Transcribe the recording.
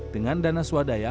dengan dana swadaya